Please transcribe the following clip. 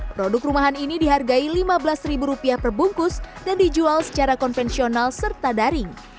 produk rumahan ini dihargai lima belas perbungkus dan dijual secara konvensional serta daring